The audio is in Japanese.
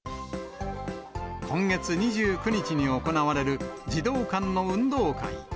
今月２９日に行われる児童館の運動会。